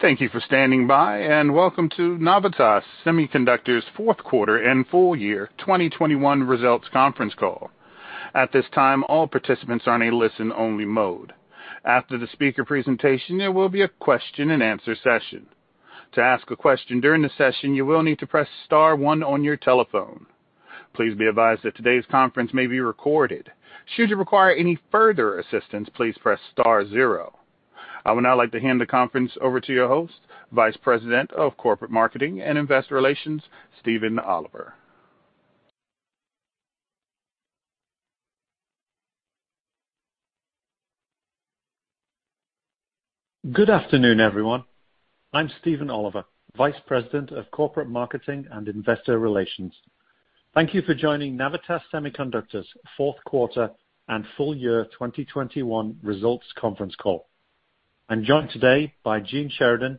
Thank you for standing by, and welcome to Navitas Semiconductor's fourth quarter and full-year 2021 results conference call. At this time, all participants are in a listen-only mode. After the speaker presentation, there will be a question-and-answer session. To ask a question during the session, you will need to press star one on your telephone. Please be advised that today's conference may be recorded. Should you require any further assistance, please press star zero. I would now like to hand the conference over to your host, Vice President of Corporate Marketing and Investor Relations, Stephen Oliver. Good afternoon, everyone. I'm Stephen Oliver, Vice President of Corporate Marketing and Investor Relations. Thank you for joining Navitas Semiconductor's fourth quarter and full-year 2021 results conference call. I'm joined today by Gene Sheridan,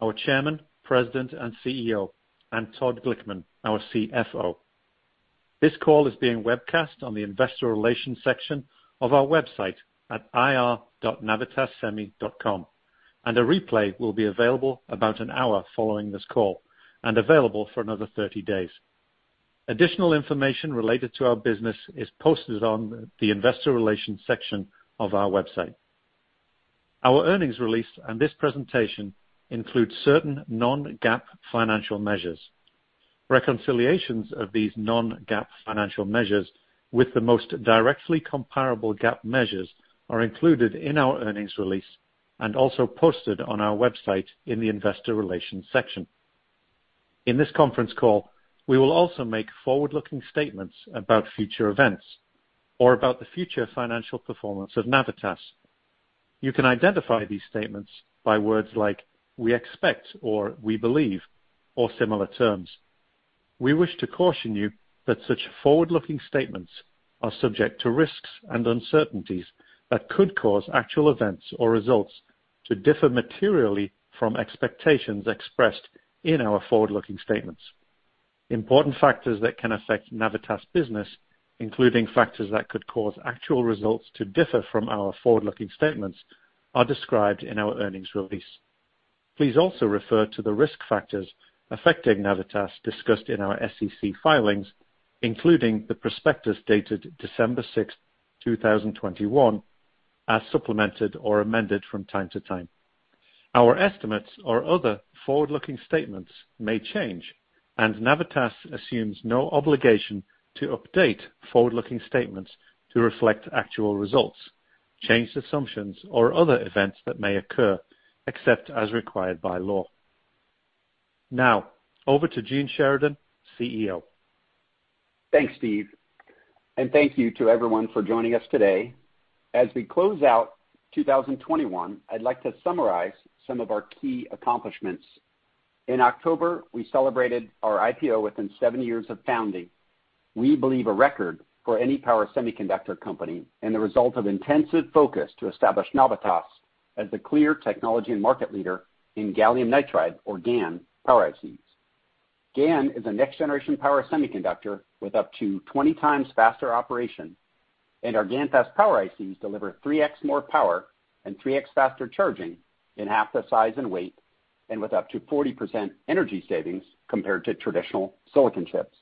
our Chairman, President, and CEO, and Todd Glickman, our CFO. This call is being webcast on the investor relations section of our website at ir.navitassemi.com, and a replay will be available about an hour following this call and available for another 30 days. Additional information related to our business is posted on the investor relations section of our website. Our earnings release and this presentation includes certain non-GAAP financial measures. Reconciliations of these non-GAAP financial measures with the most directly comparable GAAP measures are included in our earnings release and also posted on our website in the investor relations section. In this conference call, we will also make forward-looking statements about future events or about the future financial performance of Navitas. You can identify these statements by words like "we expect" or "we believe" or similar terms. We wish to caution you that such forward-looking statements are subject to risks and uncertainties that could cause actual events or results to differ materially from expectations expressed in our forward-looking statements. Important factors that can affect Navitas business, including factors that could cause actual results to differ from our forward-looking statements, are described in our earnings release. Please also refer to the risk factors affecting Navitas discussed in our SEC filings, including the prospectus dated December sixth, two thousand and twenty-one, as supplemented or amended from time to time. Our estimates or other forward-looking statements may change, and Navitas assumes no obligation to update forward-looking statements to reflect actual results, changed assumptions or other events that may occur, except as required by law. Now over to Gene Sheridan, CEO. Thanks, Stephen, and thank you to everyone for joining us today. As we close out 2021, I'd like to summarize some of our key accomplishments. In October, we celebrated our IPO within seven years of founding. We believe it's a record for any power semiconductor company and it's the result of intensive focus to establish Navitas as the clear technology and market leader in gallium nitride or GaN power ICs. GaN is a next-generation power semiconductor with up to 20x faster operation, and our GaNFast power ICs deliver 3x more power and 3x faster charging in 1/2 the size and weight and with up to 40% energy savings compared to traditional silicon chips.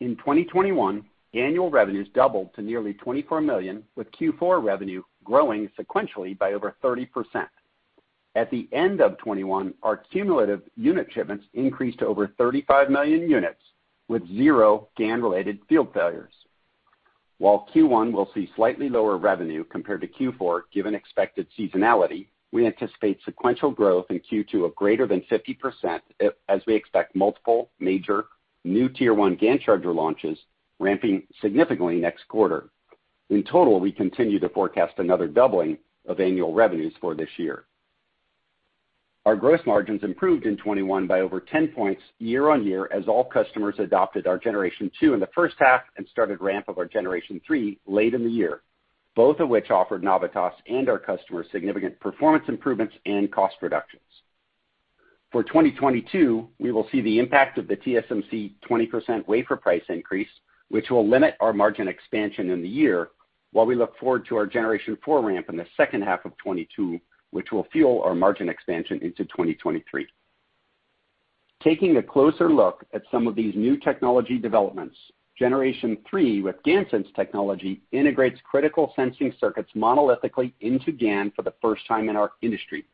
In 2021, annual revenues doubled to nearly $24 million, with Q4 revenue growing sequentially by over 30%. At the end of 2021, our cumulative unit shipments increased to over 35 million units with zero GaN-related field failures. While Q1 will see slightly lower revenue compared to Q4, given expected seasonality, we anticipate sequential growth in Q2 of greater than 50% as we expect multiple major new tier-one GaN charger launches ramping significantly next quarter. In total, we continue to forecast another doubling of annual revenues for this year. Our gross margins improved in 2021 by over 10 points year-over-year as all customers adopted our generation two in the first half and started ramp of our generation three late in the year, both of which offered Navitas and our customers significant performance improvements and cost reductions. For 2022, we will see the impact of the TSMC 20% wafer price increase, which will limit our margin expansion in the year while we look forward to our generation four ramp in the second half of 2022, which will fuel our margin expansion into 2023. Taking a closer look at some of these new technology developments, generation three with GaNSense technology integrates critical sensing circuits monolithically into GaN for the first time in our industry.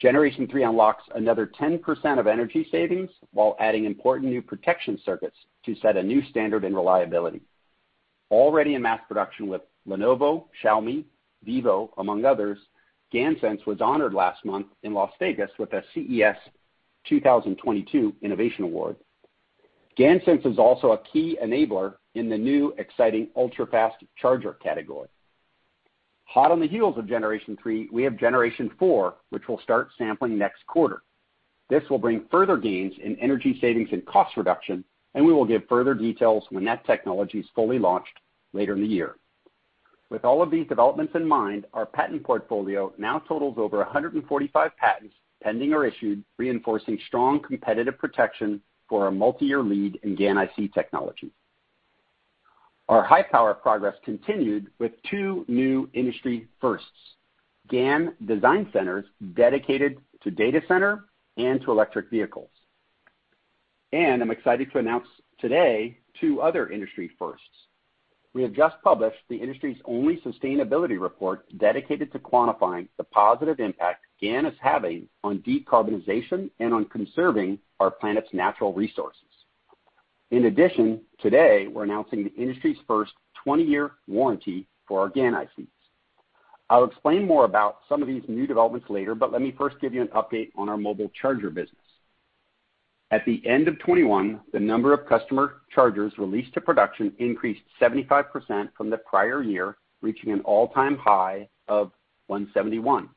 Generation three unlocks another 10% of energy savings while adding important new protection circuits to set a new standard in reliability. Already in mass production with Lenovo, Xiaomi, Vivo, among others, GaNSense was honored last month in Las Vegas with a CES 2022 Innovation Award. GaNSense is also a key enabler in the new exciting ultra-fast charger category. Hot on the heels of generation three, we have generation four, which will start sampling next quarter. This will bring further gains in energy savings and cost reduction, and we will give further details when that technology is fully launched later in the year. With all of these developments in mind, our patent portfolio now totals over 145 patents pending or issued, reinforcing strong competitive protection for our multi-year lead in GaN IC technology. Our high power progress continued with two new industry firsts, GaN design centers dedicated to data center and to electric vehicles. I'm excited to announce today two other industry firsts. We have just published the industry's only sustainability report dedicated to quantifying the positive impact GaN is having on decarbonization and on conserving our planet's natural resources. In addition, today, we're announcing the industry's first 20-year warranty for our GaN ICs. I'll explain more about some of these new developments later, but let me first give you an update on our mobile charger business. At the end of 2021, the number of customer chargers released to production increased 75% from the prior year, reaching an all-time high of 171.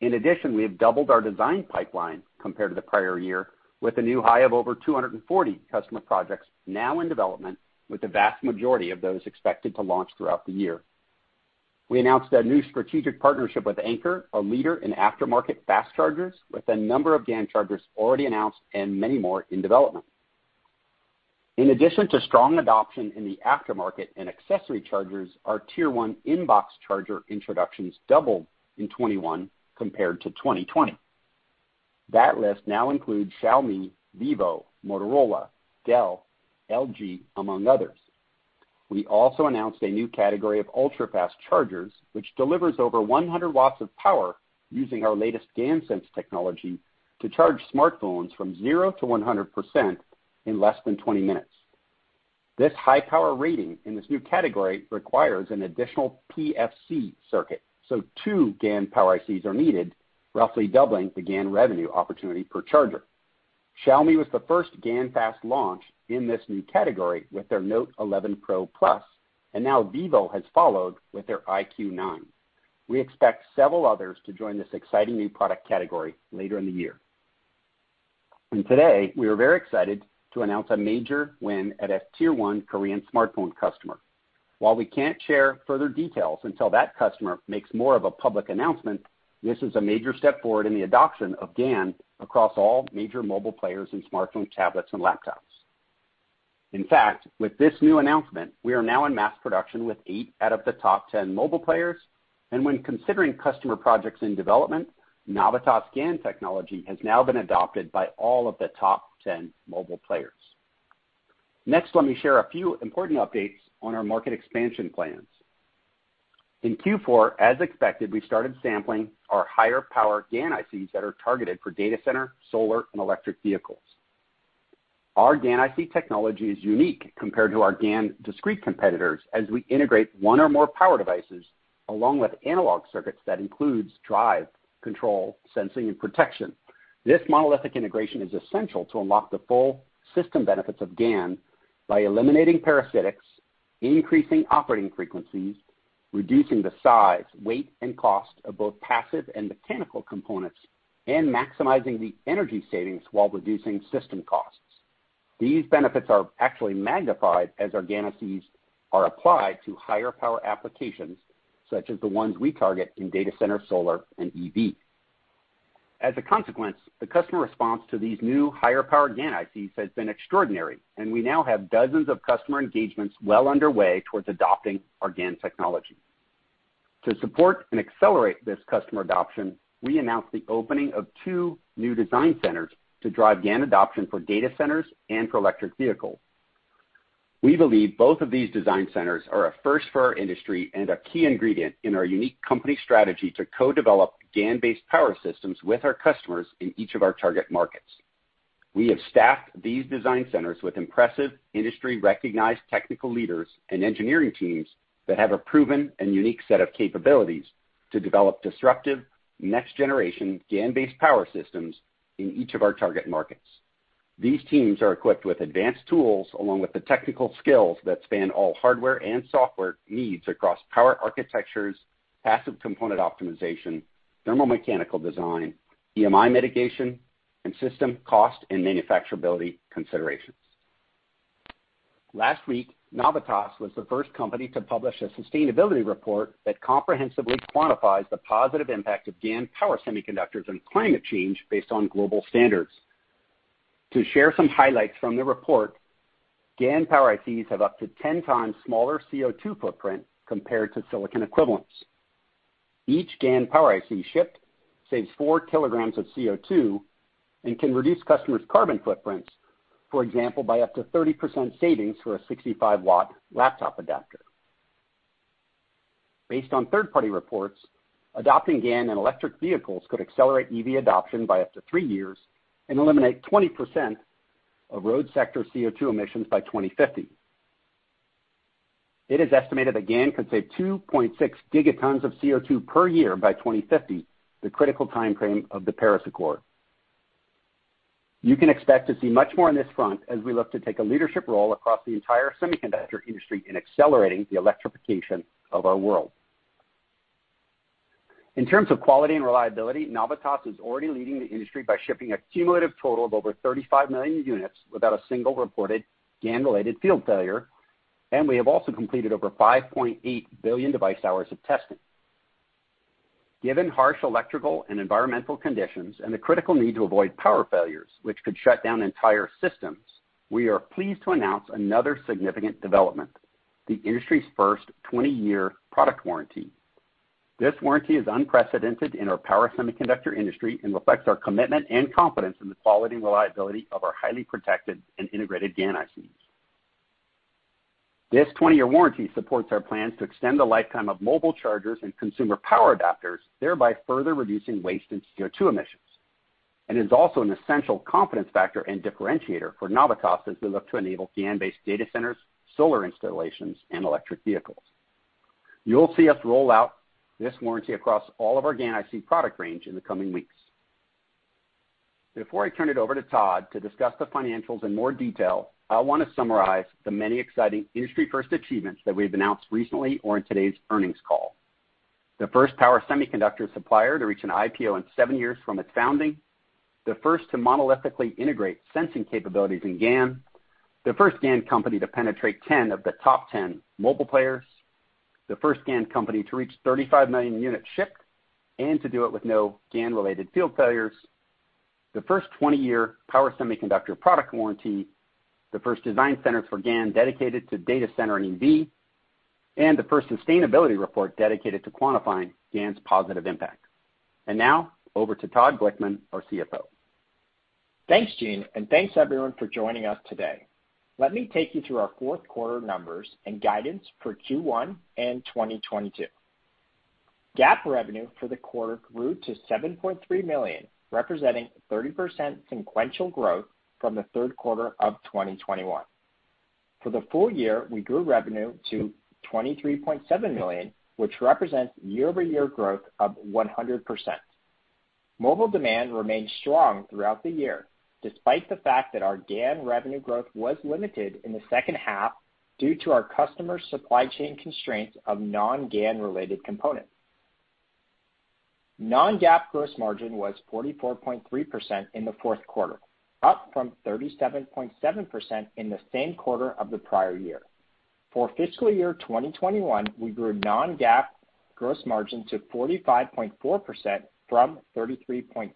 In addition, we have doubled our design pipeline compared to the prior year, with a new high of over 240 customer projects now in development, with the vast majority of those expected to launch throughout the year. We announced a new strategic partnership with Anker, a leader in aftermarket fast chargers, with a number of GaN chargers already announced and many more in development. In addition to strong adoption in the aftermarket and accessory chargers, our tier one in-box charger introductions doubled in 2021 compared to 2020. That list now includes Xiaomi, Vivo, Motorola, Dell, LG, among others. We also announced a new category of ultra-fast chargers, which delivers over 100 watts of power using our latest GaNSense technology to charge smartphones from 0%-100% in less than 20 minutes. This high power rating in this new category requires an additional PFC circuit, so two GaN power ICs are needed, roughly doubling the GaN revenue opportunity per charger. Xiaomi was the first GaNFast launch in this new category with their Note 11 Pro Plus, and now Vivo has followed with their iQOO 9. We expect several others to join this exciting new product category later in the year. Today, we are very excited to announce a major win at a tier one Korean smartphone customer. While we can't share further details until that customer makes more of a public announcement, this is a major step forward in the adoption of GaN across all major mobile players in smartphones, tablets, and laptops. In fact, with this new announcement, we are now in mass production with eight out of the top 10 mobile players. When considering customer projects in development, Navitas GaN technology has now been adopted by all of the top 10 mobile players. Next, let me share a few important updates on our market expansion plans. In Q4, as expected, we started sampling our higher power GaN ICs that are targeted for data center, solar, and electric vehicles. Our GaN IC technology is unique compared to our GaN discrete competitors, as we integrate one or more power devices along with analog circuits that includes drive, control, sensing, and protection. This monolithic integration is essential to unlock the full system benefits of GaN by eliminating parasitics, increasing operating frequencies, reducing the size, weight, and cost of both passive and mechanical components, and maximizing the energy savings while reducing system costs. These benefits are actually magnified as our GaN ICs are applied to higher power applications, such as the ones we target in data center solar and EV. As a consequence, the customer response to these new higher power GaN ICs has been extraordinary, and we now have dozens of customer engagements well underway towards adopting our GaN technology. To support and accelerate this customer adoption, we announced the opening of two new design centers to drive GaN adoption for data centers and for electric vehicles. We believe both of these design centers are a first for our industry and a key ingredient in our unique company strategy to co-develop GaN-based power systems with our customers in each of our target markets. We have staffed these design centers with impressive industry-recognized technical leaders and engineering teams that have a proven and unique set of capabilities to develop disruptive next generation GaN-based power systems in each of our target markets. These teams are equipped with advanced tools along with the technical skills that span all hardware and software needs across power architectures, passive component optimization, thermal mechanical design, EMI mitigation, and system cost and manufacturability considerations. Last week, Navitas was the first company to publish a sustainability report that comprehensively quantifies the positive impact of GaN power semiconductors on climate change based on global standards. To share some highlights from the report, GaN power ICs have up to 10x smaller CO2 footprint compared to silicon equivalents. Each GaN power IC shipped saves 4 kgs of CO2 and can reduce customers' carbon footprints, for example, by up to 30% savings for a 65-watt laptop adapter. Based on third-party reports, adopting GaN in electric vehicles could accelerate EV adoption by up to three years and eliminate 20% of road sector CO2 emissions by 2050. It is estimated that GaN could save 2.6 gigatons of CO2 per year by 2050, the critical time frame of the Paris Accord. You can expect to see much more on this front as we look to take a leadership role across the entire semiconductor industry in accelerating the electrification of our world. In terms of quality and reliability, Navitas is already leading the industry by shipping a cumulative total of over 35 million units without a single reported GaN-related field failure, and we have also completed over 5.8 billion device hours of testing. Given harsh electrical and environmental conditions and the critical need to avoid power failures, which could shut down entire systems, we are pleased to announce another significant development, the industry's first 20-year product warranty. This warranty is unprecedented in our power semiconductor industry and reflects our commitment and confidence in the quality and reliability of our highly protected and integrated GaN ICs. This 20-year warranty supports our plans to extend the lifetime of mobile chargers and consumer power adapters, thereby further reducing waste and CO₂ emissions, and is also an essential confidence factor and differentiator for Navitas as we look to enable GaN-based data centers, solar installations, and electric vehicles. You'll see us roll out this warranty across all of our GaN IC product range in the coming weeks. Before I turn it over to Todd to discuss the financials in more detail, I wanna summarize the many exciting industry-first achievements that we've announced recently or in today's earnings call. The first power semiconductor supplier to reach an IPO in seven years from its founding, the first to monolithically integrate sensing capabilities in GaN, the first GaN company to penetrate 10 of the top 10 mobile players, the first GaN company to reach 35 million units shipped and to do it with no GaN-related field failures, the first 20-year power semiconductor product warranty, the first design centers for GaN dedicated to data center and EV, and the first sustainability report dedicated to quantifying GaN's positive impact. Now over to Todd Glickman, our CFO. Thanks, Gene, and thanks everyone for joining us today. Let me take you through our fourth quarter numbers and guidance for Q1 and 2022. GAAP revenue for the quarter grew to $7.3 million, representing 30% sequential growth from the third quarter of 2021. For the full-year, we grew revenue to $23.7 million, which represents year-over-year growth of 100%. Mobile demand remained strong throughout the year, despite the fact that our GaN revenue growth was limited in the second half due to our customer supply chain constraints of non-GaN related components. Non-GAAP gross margin was 44.3% in the fourth quarter, up from 37.7% in the same quarter of the prior year. For fiscal year 2021, we grew non-GAAP gross margin to 45.4% from 33.2%,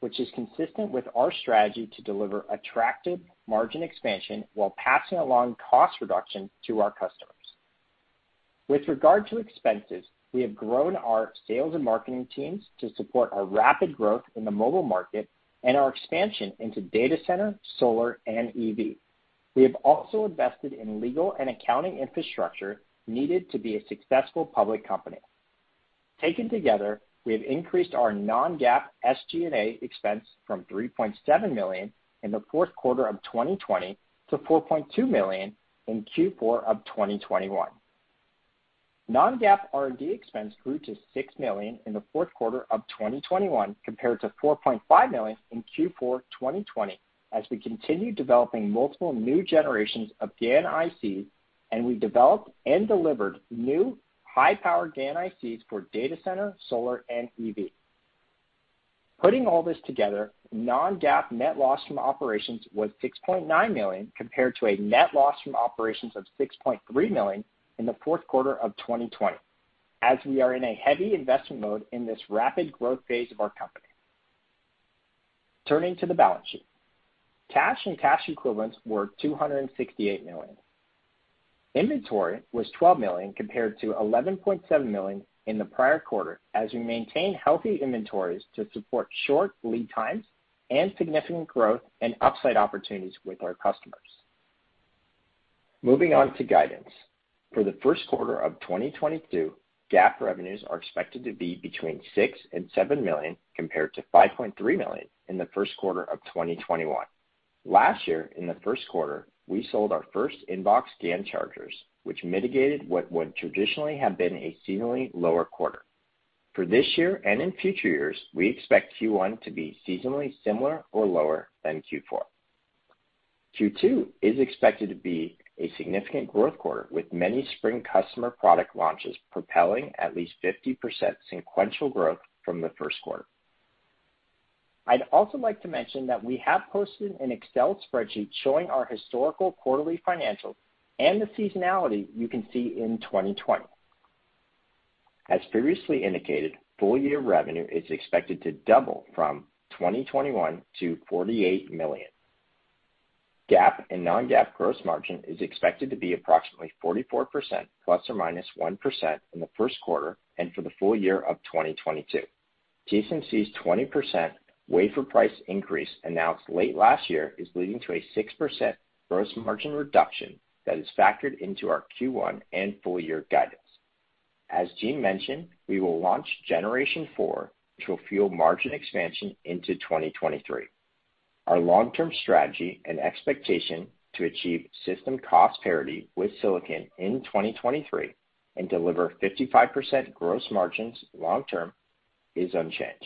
which is consistent with our strategy to deliver attractive margin expansion while passing along cost reduction to our customers. With regard to expenses, we have grown our sales and marketing teams to support our rapid growth in the mobile market and our expansion into data center, solar, and EV. We have also invested in legal and accounting infrastructure needed to be a successful public company. Taken together, we have increased our non-GAAP SG&A expense from $3.7 million in the fourth quarter of 2020 to $4.2 million in Q4 of 2021. non-GAAP R&D expense grew to $6 million in the fourth quarter of 2021 compared to $4.5 million in Q4 2020, as we continue developing multiple new generations of GaN ICs, and we've developed and delivered new high-power GaN ICs for data center, solar, and EV. Putting all this together, non-GAAP net loss from operations was $6.9 million compared to a net loss from operations of $6.3 million in the fourth quarter of 2020, as we are in a heavy investment mode in this rapid growth phase of our company. Turning to the balance sheet. Cash and cash equivalents were $268 million. Inventory was $12 million compared to $11.7 million in the prior quarter, as we maintain healthy inventories to support short lead times and significant growth and upside opportunities with our customers. Moving on to guidance. For the first quarter of 2022, GAAP revenues are expected to be between $6 million-$7 million compared to $5.3 million in the first quarter of 2021. Last year in the first quarter, we sold our first inbox GaN chargers, which mitigated what would traditionally have been a seasonally lower quarter. For this year and in future years, we expect Q1 to be seasonally similar or lower than Q4. Q2 is expected to be a significant growth quarter, with many spring customer product launches propelling at least 50% sequential growth from the first quarter. I'd also like to mention that we have posted an Excel spreadsheet showing our historical quarterly financials and the seasonality you can see in 2020. As previously indicated, full-year revenue is expected to double from 2021 to $48 million. GAAP and non-GAAP gross margin is expected to be approximately 44% ±1% in the first quarter and for the full-year of 2022. TSMC's 20% wafer price increase announced late last year is leading to a 6% gross margin reduction that is factored into our Q1 and full-year guidance. As Gene mentioned, we will launch generation 4, which will fuel margin expansion into 2023. Our long-term strategy and expectation to achieve system cost parity with silicon in 2023 and deliver 55% gross margins long-term is unchanged.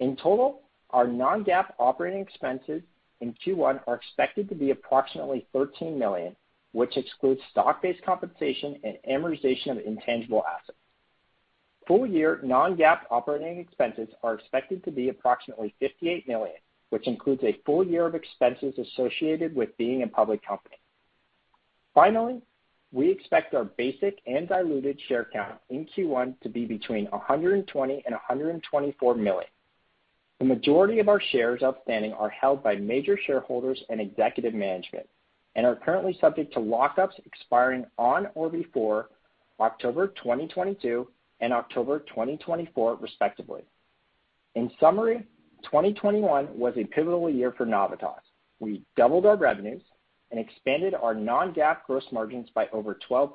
In total, our non-GAAP operating expenses in Q1 are expected to be approximately $13 million, which excludes stock-based compensation and amortization of intangible assets. Full-year non-GAAP operating expenses are expected to be approximately $58 million, which includes a full-year of expenses associated with being a public company. Finally, we expect our basic and diluted share count in Q1 to be between 120 million and 124 million. The majority of our shares outstanding are held by major shareholders and executive management and are currently subject to lockups expiring on or before October 2022 and October 2024 respectively. In summary, 2021 was a pivotal year for Navitas. We doubled our revenues and expanded our non-GAAP gross margins by over 12%.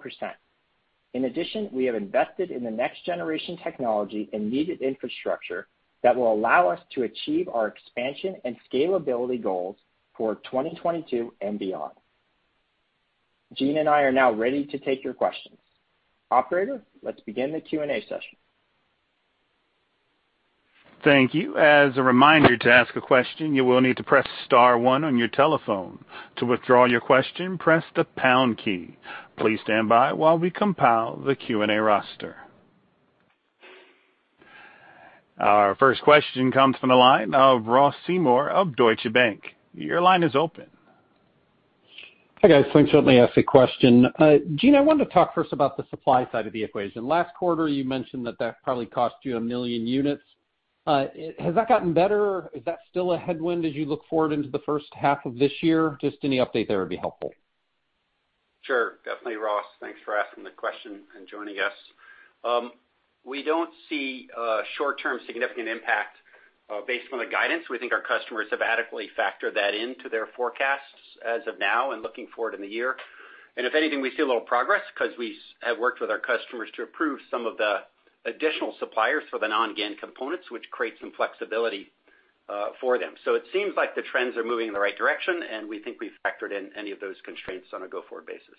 In addition, we have invested in the next generation technology and needed infrastructure that will allow us to achieve our expansion and scalability goals for 2022 and beyond. Gene and I are now ready to take your questions. Operator, let's begin the Q&A session. Thank you. As a reminder, to ask a question, you will need to press star one on your telephone. To withdraw your question, press the pound key. Please stand by while we compile the Q&A roster. Our first question comes from the line of Ross Seymore of Deutsche Bank. Your line is open. Hi, guys. Thanks. Let me ask a question. Gene, I wanted to talk first about the supply side of the equation. Last quarter, you mentioned that probably cost you 1 million units. Has that gotten better? Is that still a headwind as you look forward into the first half of this year? Just any update there would be helpful. Sure. Definitely, Ross. Thanks for asking the question and joining us. We don't see a short-term significant impact based on the guidance. We think our customers have adequately factored that into their forecasts as of now and looking forward in the year. And if anything, we see a little progress because we have worked with our customers to approve some of the additional suppliers for the non-GaN components, which creates some flexibility for them. It seems like the trends are moving in the right direction, and we think we've factored in any of those constraints on a go-forward basis.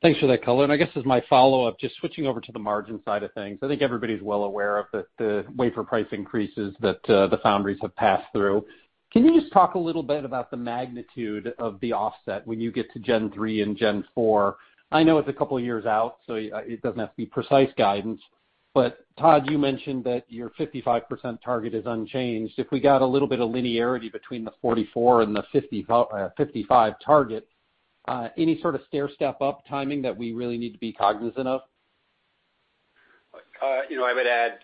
Thanks for that color. I guess as my follow-up, just switching over to the margin side of things, I think everybody's well aware of the wafer price increases that the foundries have passed through. Can you just talk a little bit about the magnitude of the offset when you get to Gen 3 and Gen 4? I know it's a couple of years out, so it doesn't have to be precise guidance. But Todd, you mentioned that your 55% target is unchanged. If we got a little bit of linearity between the 44 and the 55 target, any sort of stairstep up timing that we really need to be cognizant of? You know, I would add,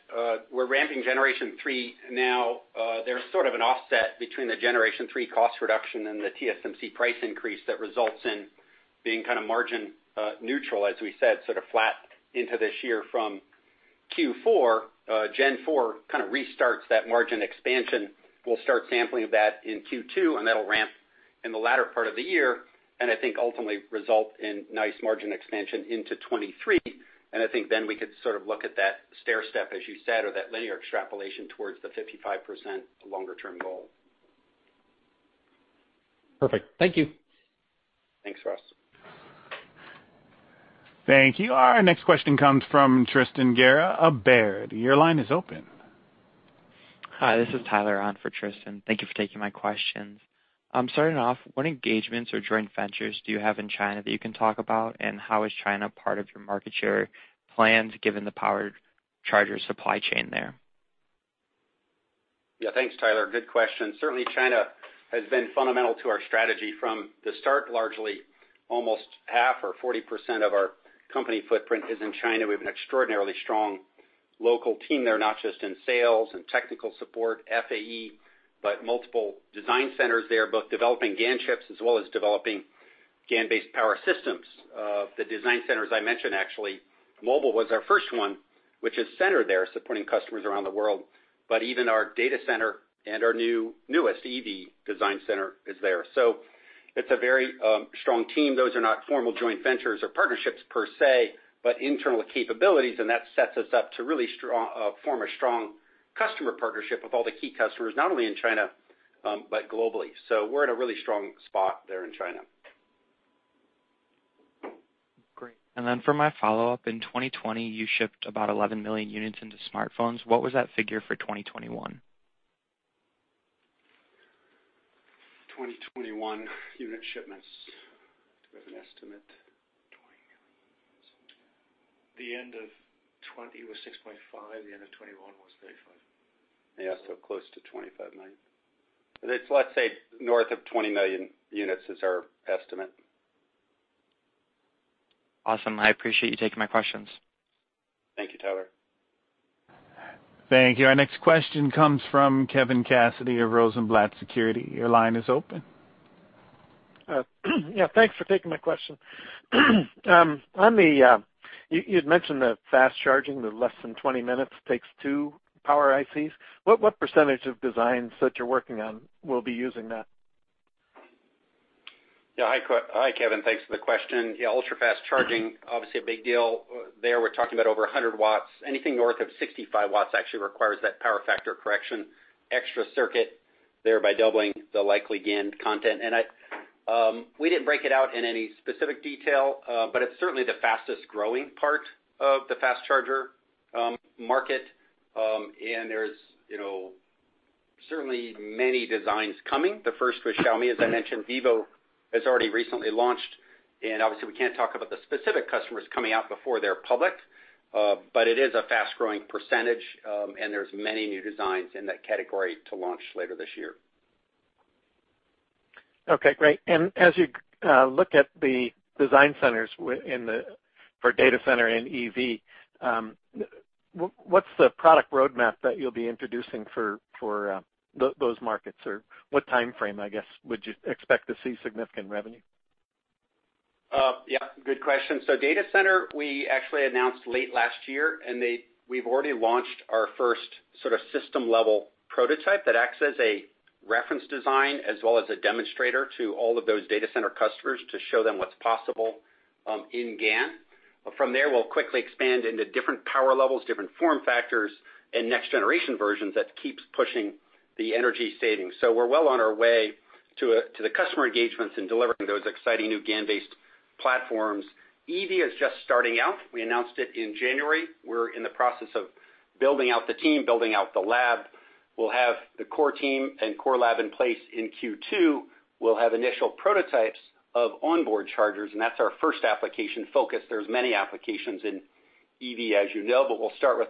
we're ramping generation three now. There's sort of an offset between the generation three cost reduction and the TSMC price increase that results in being kind of margin neutral, as we said, sort of flat into this year from Q4. Gen 4 kind of restarts that margin expansion. We'll start sampling that in Q2, and that'll ramp in the latter part of the year, and I think ultimately result in nice margin expansion into 2023. I think then we could sort of look at that stairstep, as you said, or that linear extrapolation towards the 55% longer term goal. Perfect. Thank you. Thanks, Ross. Thank you. Our next question comes from Tristan Gerra of Baird. Your line is open. Hi, this is Tyler on for Tristan. Thank you for taking my questions. I'm starting off, what engagements or joint ventures do you have in China that you can talk about, and how is China part of your market share plans given the power charger supply chain there? Yeah, thanks, Tyler. Good question. Certainly, China has been fundamental to our strategy from the start. Largely, almost half or 40% of our company footprint is in China. We have an extraordinarily strong local team there, not just in sales and technical support, FAE, but multiple design centers there, both developing GaN chips as well as developing GaN-based power systems. The design centers I mentioned, actually, mobile was our first one, which is centered there, supporting customers around the world. Even our data center and our newest EV design center is there. It's a very strong team. Those are not formal joint ventures or partnerships per se, but internal capabilities, and that sets us up to form a strong customer partnership with all the key customers, not only in China, but globally. We're at a really strong spot there in China. Great. For my follow-up, in 2020, you shipped about 11 million units into smartphones. What was that figure for 2021? 2021 unit shipments. Do we have an estimate? The end of 2020 was $6.5. The end of 2021 was $35. Yeah, close to 25 million. It's, let's say, north of 20 million units is our estimate. Awesome. I appreciate you taking my questions. Thank you, Tyler. Thank you. Our next question comes from Kevin Cassidy of Rosenblatt Securities. Your line is open. Yeah, thanks for taking my question. On the you'd mentioned the fast charging, the less than 20 minutes takes 2 power ICs. What percentage of designs that you're working on will be using that? Yeah. Hi, Kevin. Thanks for the question. Yeah, ultra-fast charging, obviously a big deal. There we're talking about over 100 watts. Anything north of 65 watts actually requires that power factor correction extra circuit, thereby doubling the likely GaN content. We didn't break it out in any specific detail, but it's certainly the fastest-growing part of the fast charger market. There's, you know, certainly many designs coming. The first was Xiaomi, as I mentioned. Vivo has already recently launched. Obviously, we can't talk about the specific customers coming out before they're public. It is a fast-growing percentage, and there's many new designs in that category to launch later this year. Okay, great. As you look at the design centers for data center and EV, what's the product roadmap that you'll be introducing for those markets? Or what timeframe, I guess, would you expect to see significant revenue? Yeah, good question. Data center, we actually announced late last year, we've already launched our first sort of system-level prototype that acts as a reference design as well as a demonstrator to all of those data center customers to show them what's possible, in GaN. From there, we'll quickly expand into different power levels, different form factors, and next generation versions that keeps pushing the energy savings. We're well on our way to the customer engagements and delivering those exciting new GaN-based platforms. EV is just starting out. We announced it in January. We're in the process of building out the team, building out the lab. We'll have the core team and core lab in place in Q2. We'll have initial prototypes of onboard chargers, and that's our first application focus. There's many applications in EV, as you know, but we'll start with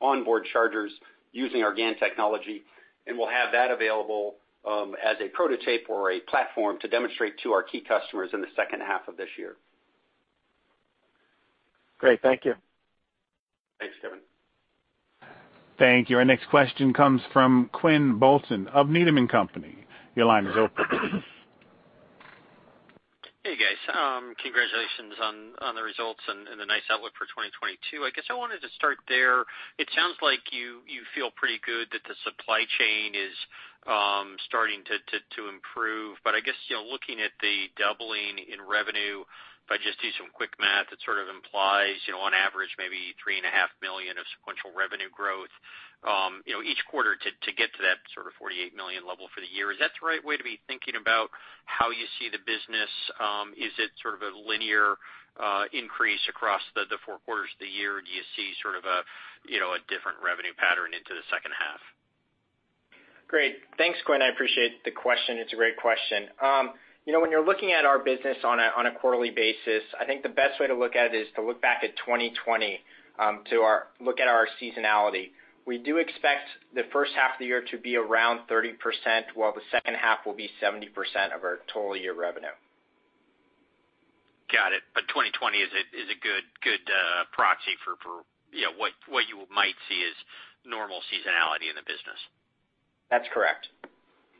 onboard chargers using our GaN technology, and we'll have that available, as a prototype or a platform to demonstrate to our key customers in the second half of this year. Great. Thank you. Thanks, Kevin. Thank you. Our next question comes from Quinn Bolton of Needham & Company. Your line is open. Hey, guys. Congratulations on the results and the nice outlook for 2022. I guess I wanted to start there. It sounds like you feel pretty good that the supply chain is starting to improve. I guess, you know, looking at the doubling in revenue, if I just do some quick math, it sort of implies, you know, on average maybe $3.5 million of sequential revenue growth, you know, each quarter to get to that sort of $48 million level for the year. Is that the right way to be thinking about how you see the business? Is it sort of a linear increase across the four quarters of the year? Do you see sort of a, you know, a different revenue pattern into the second half? Great. Thanks, Quinn. I appreciate the question. It's a great question. You know, when you're looking at our business on a quarterly basis, I think the best way to look at it is to look back at 2020 to look at our seasonality. We do expect the first half of the year to be around 30%, while the second half will be 70% of our total year revenue. Got it. 2020 is a good proxy for, you know, what you might see as normal seasonality in the business. That's correct. Got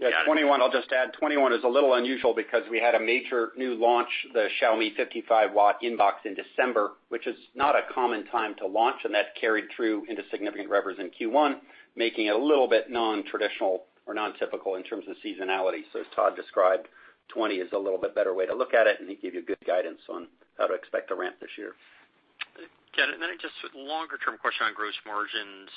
it. Yeah, 2021—I'll just add, 2021 is a little unusual because we had a major new launch, the Xiaomi 55-watt inbox in December, which is not a common time to launch, and that carried through into significant revenues in Q1, making it a little bit nontraditional or nontypical in terms of seasonality. As Todd described, 2020 is a little bit better way to look at it, and he gave you good guidance on how to expect the ramp this year. Gen, then just a longer-term question on gross margins,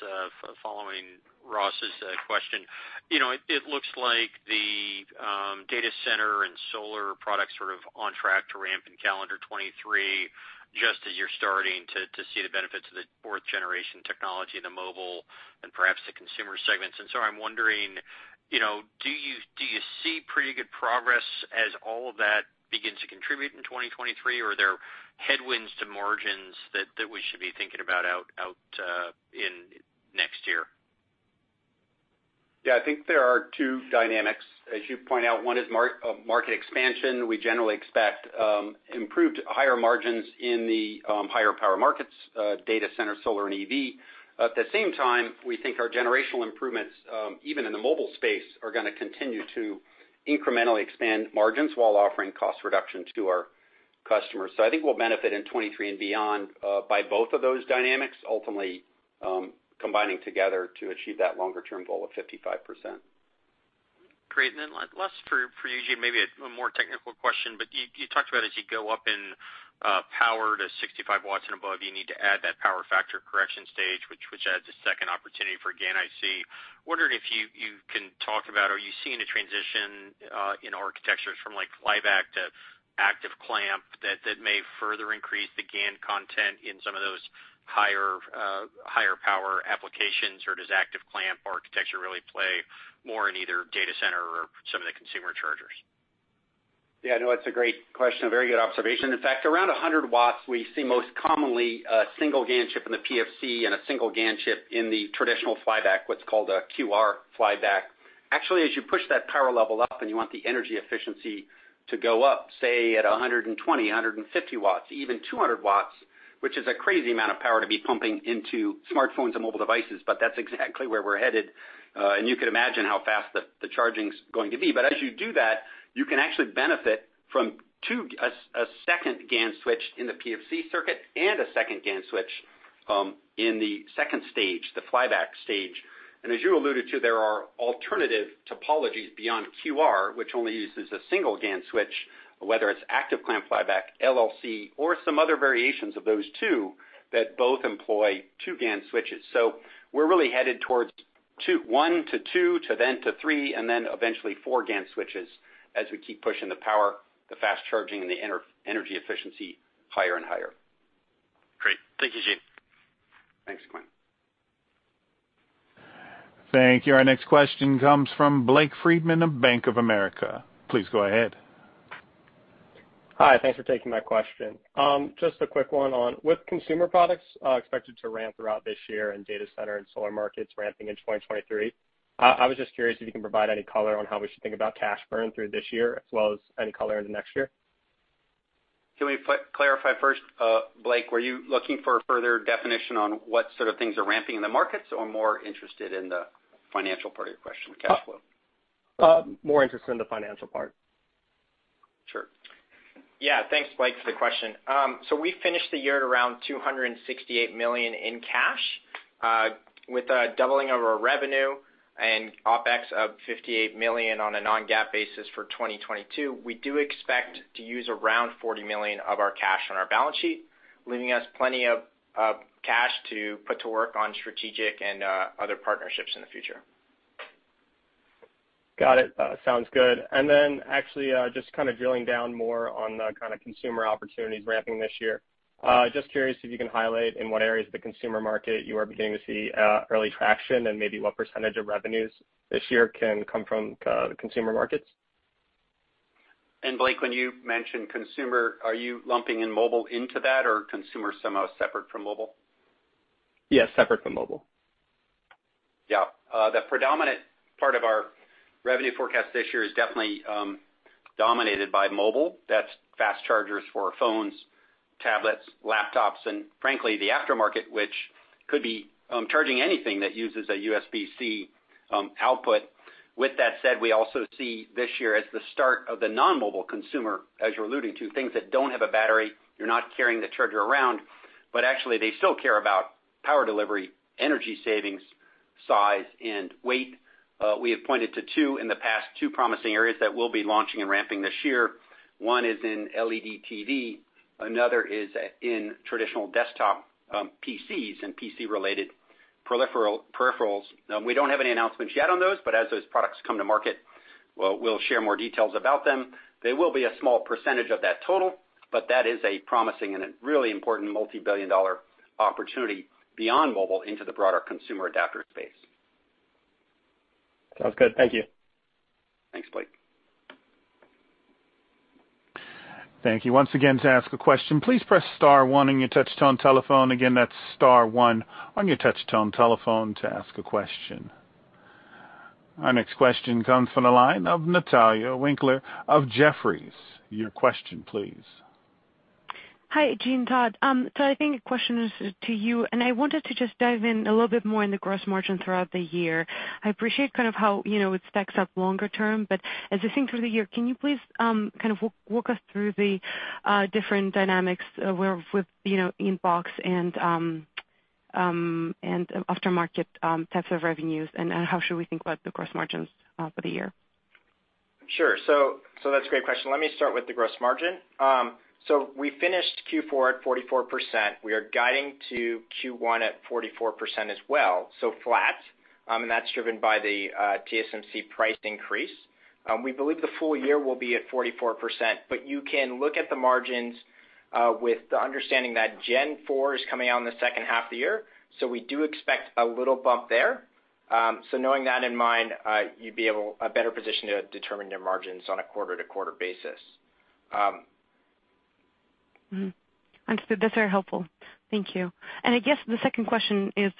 following Ross's question. You know, it looks like the data center and solar products sort of on track to ramp in calendar 2023, just as you're starting to see the benefits of the fourth generation technology in the mobile and perhaps the consumer segments. I'm wondering, you know, do you see pretty good progress as all of that begins to contribute in 2023, or are there headwinds to margins that we should be thinking about in next year? Yeah, I think there are two dynamics. As you point out, one is market expansion. We generally expect improved higher margins in the higher power markets, data center, solar, and EV. At the same time, we think our generational improvements even in the mobile space are gonna continue to incrementally expand margins while offering cost reductions to our customers. I think we'll benefit in 2023 and beyond by both of those dynamics ultimately combining together to achieve that longer term goal of 55%. Great. Last for you, Gene, maybe a more technical question. You talked about as you go up in power to 65 watts and above, you need to add that power factor correction stage, which adds a second opportunity for GaN IC. Wondering if you can talk about are you seeing a transition in architectures from like flyback to active clamp that may further increase the GaN content in some of those higher power applications? Or does active clamp architecture really play more in either data center or some of the consumer chargers? Yeah, no, it's a great question, a very good observation. In fact, around 100 watts, we see most commonly a single GaN chip in the PFC and a single GaN chip in the traditional flyback, what's called a QR flyback. Actually, as you push that power level up and you want the energy efficiency to go up, say at 120, 150 watts, even 200 watts, which is a crazy amount of power to be pumping into smartphones and mobile devices, but that's exactly where we're headed, and you can imagine how fast the charging's going to be. But as you do that, you can actually benefit from two, a second GaN switch in the PFC circuit and a second GaN switch in the second stage, the flyback stage. As you alluded to, there are alternative topologies beyond QR, which only uses a single GaN switch, whether it's active clamp flyback, LLC, or some other variations of those two that both employ two GaN switches. We're really headed towards one to two to then to three and then eventually four GaN switches as we keep pushing the power, the fast charging, and the energy efficiency higher and higher. Great. Thank you, Gene. Thank you. Our next question comes from Vivek Arya of Bank of America. Please go ahead. Hi. Thanks for taking my question. Just a quick one. With consumer products expected to ramp throughout this year and data center and solar markets ramping in 2023, I was just curious if you can provide any color on how we should think about cash burn through this year as well as any color in the next year. Can we clarify first, Vivek, were you looking for further definition on what sort of things are ramping in the markets, or more interested in the financial part of your question, the cash flow? More interested in the financial part. Sure. Yeah, thanks, Blake, for the question. We finished the year at around $268 million in cash, with a doubling of our revenue and OpEx of $58 million on a non-GAAP basis for 2022. We do expect to use around $40 million of our cash on our balance sheet, leaving us plenty of cash to put to work on strategic and other partnerships in the future. Got it. Sounds good. Actually, just kind of drilling down more on the kind of consumer opportunities ramping this year, just curious if you can highlight in what areas of the consumer market you are beginning to see early traction and maybe what percentage of revenues this year can come from the consumer markets. Blake, when you mention consumer, are you lumping in mobile into that, or consumer somehow separate from mobile? Yes, separate from mobile. Yeah. The predominant part of our revenue forecast this year is definitely dominated by mobile. That's fast chargers for phones, tablets, laptops, and frankly, the aftermarket, which could be charging anything that uses a USB-C output. With that said, we also see this year as the start of the non-mobile consumer, as you're alluding to, things that don't have a battery, you're not carrying the charger around, but actually they still care about power delivery, energy savings, size, and weight. We have pointed to two in the past, two promising areas that we'll be launching and ramping this year. One is in LED TV, another is in traditional desktop PCs and PC-related peripherals. We don't have any announcements yet on those, but as those products come to market, we'll share more details about them. They will be a small percentage of that total, but that is a promising and a really important multi-billion dollar opportunity beyond mobile into the broader consumer adapter space. Sounds good. Thank you. Thanks, Blake. Our next question comes from the line of Natalia Winkler of Jefferies. Your question, please. Hi, Gene, Todd. I think the question is to you, and I wanted to just dive in a little bit more in the gross margin throughout the year. I appreciate kind of how, you know, it stacks up longer-term, but as you think through the year, can you please kind of walk us through the different dynamics with, you know, inbox and aftermarket types of revenues and how should we think about the gross margins for the year? Sure. That's a great question. Let me start with the gross margin. We finished Q4 at 44%. We are guiding to Q1 at 44% as well, so flat. That's driven by the TSMC price increase. We believe the full-year will be at 44%, but you can look at the margins with the understanding that Gen 4 is coming out in the second half of the year. We do expect a little bump there. With that in mind, you'd be in a better position to determine your margins on a quarter-to-quarter basis. Mm-hmm. Understood. That's very helpful. Thank you. I guess the second question is,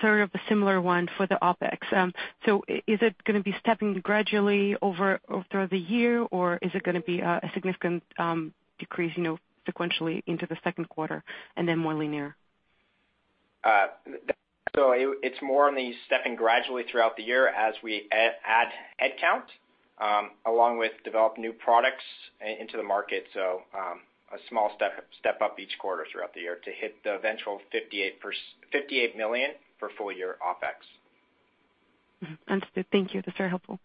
sort of a similar one for the OpEx. So is it gonna be stepping gradually over, through the year, or is it gonna be a significant decrease, you know, sequentially into the second quarter and then more linear? It's more on the stepping gradually throughout the year as we add headcount, along with develop new products into the market. A small step up each quarter throughout the year to hit the eventual $58 million for full-year OpEx. Understood. Thank you. That's very helpful.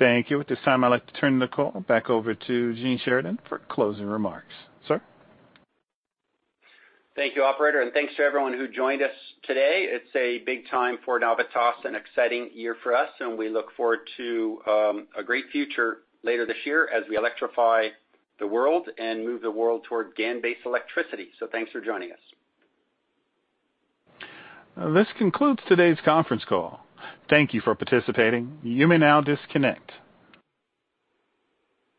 Thank you. At this time, I'd like to turn the call back over to Gene Sheridan for closing remarks. Sir? Thank you, operator, and thanks to everyone who joined us today. It's a big time for Navitas, an exciting year for us, and we look forward to a great future later this year as we electrify the world and move the world toward GaN-based electricity. Thanks for joining us. This concludes today's conference call. Thank you for participating. You may now disconnect.